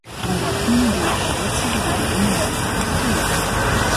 Ён актыўна далучаецца да будовы новага касцёла.